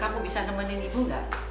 kamu bisa nemenin ibu gak